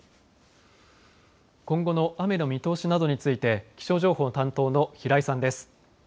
今後の雨の見通しなどについて気象情報担当の平井さんです。